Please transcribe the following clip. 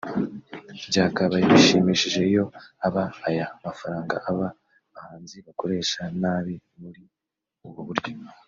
Byakabaye bishimishije iyo aba aya mafaranga aba bahanzi bakoresha nabi muri ubu buryo